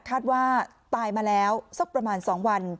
คาดว่าตายมาแล้วสักประมาณ๒วัน